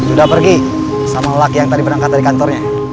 udah pergi sama lelaki yang tadi berangkat dari kantornya